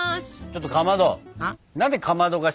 ちょっとかまど。は？